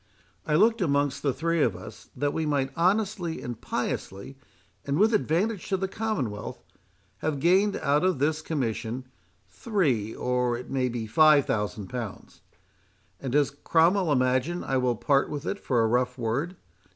I looked, amongst the three of us, that we might honestly, and piously, and with advantage to the Commonwealth, have gained out of this commission three, or it may be five thousand pounds. And does Cromwell imagine I will part with it for a rough word?